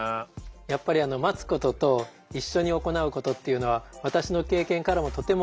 やっぱり待つことと一緒に行うことっていうのは私の経験からもとても大切なことです。